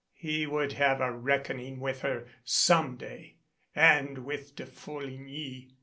He would have a reckoning with her some day and with De Fol ligny!